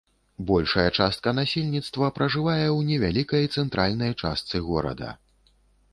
Большая частка насельніцтва пражывае ў невялікай цэнтральнай частцы горада.